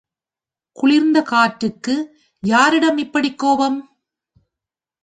குளிர்ந்த காற்றுக்கு யாரிடம் இப்படிக் கோபம்?